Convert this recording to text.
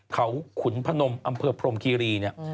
เขาขุนพนมอำเภอพรมคีรี